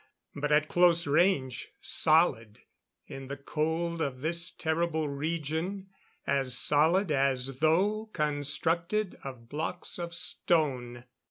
But at close range solid; in the cold of this terrible region, as solid as though constructed of blocks of stone.